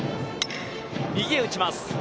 右へ打ちます。